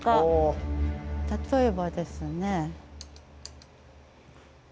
例えばですね。